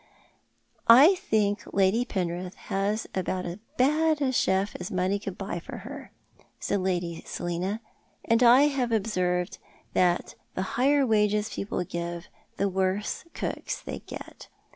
"I think Lady Penrith has about as bad a chef as money could buy for her," said Lady Selina; "and I have observed that the higher wages people give the worse cooks they get.